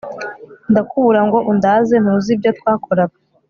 ndakubura ngo undaze ntuzi ibyo twakoraga